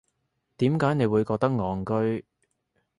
點解你會覺得戇居